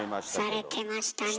されてましたねえ。